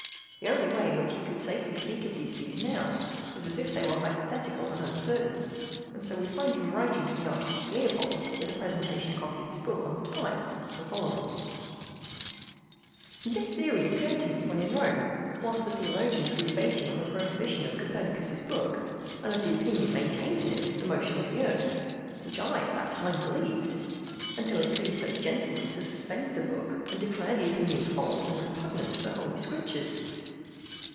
The only way in which he could safely speak of these views now was as if they were hypothetical and uncertain, and so we find him writing to the Archduke Leopold, with a presentation copy of his book on the tides, the following: "This theory occurred to me when in Rome whilst the theologians were debating on the prohibition of Copernicus's book, and of the opinion maintained in it of the motion of the earth, which I at that time believed: until it pleased those gentlemen to suspend the book, and declare the opinion false and repugnant to the Holy Scriptures.